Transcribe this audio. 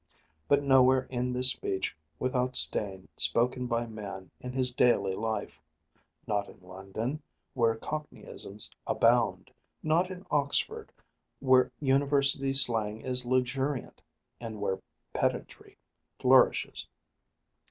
But nowhere is this speech without stain spoken by man in his daily life not in London, where cockneyisms abound, not in Oxford, where university slang is luxuriant and where pedantry flourishes.